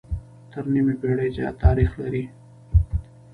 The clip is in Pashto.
تر نيمې پېړۍ زيات تاريخ لري